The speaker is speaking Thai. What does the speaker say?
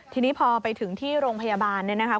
ทีนี้พอไปถึงที่โรงพยาบาลเนี่ยนะคะ